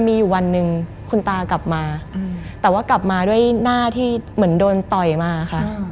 มีอยู่วันหนึ่งคุณตากลับมาแต่ว่ากลับมาด้วยหน้าที่เหมือนโดนต่อยมาค่ะ